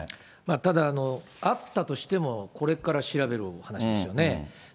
ただ、あったとしても、これから調べる話ですよね。